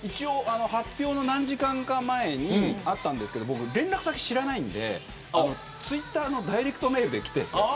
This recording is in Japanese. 発表の何時間か前にあったんですけれど僕、連絡先知らないのでツイッターのダイレクトメールで来てて。